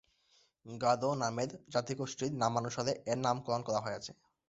গারো নামের জাতিগোষ্ঠীর নামানুসারে এর নামকরণ করা হয়েছে।